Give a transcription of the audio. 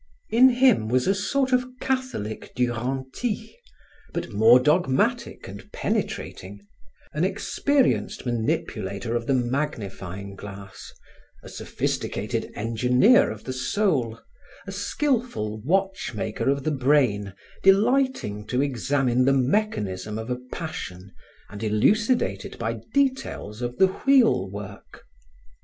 In him was a sort of Catholic Duranty, but more dogmatic and penetrating, an experienced manipulation of the magnifying glass, a sophisticated engineer of the soul, a skillful watchmaker of the brain, delighting to examine the mechanism of a passion and elucidate it by details of the wheel work.